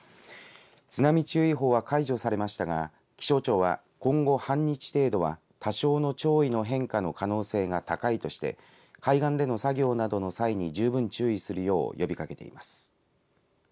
津波注意報は解除されましたが気象庁は今後、半日程度は多少の潮位の変化の可能性が高いとして海岸での作業などの際に十分注意するよう呼びかけています。